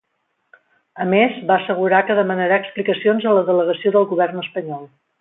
A més, va assegurar que demanarà explicacions a la delegació del govern espanyol.